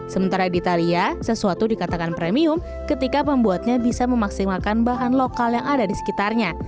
sementara di italia sesuatu dikatakan premium ketika pembuatnya bisa memaksimalkan bahan lokal yang ada di sekitarnya